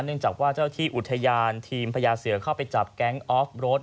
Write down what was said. จากว่าเจ้าที่อุทยานทีมพญาเสือเข้าไปจับแก๊งออฟรถ